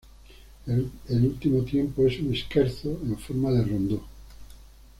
El último tiempo es un Scherzo en forma de rondó.